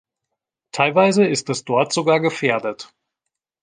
Teilweise ist es dort sogar gefährdet.